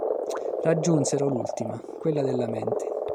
Raggiunsero l'ultima: quella della mente.